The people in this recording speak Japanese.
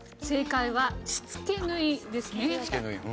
正解はしつけ縫いですね。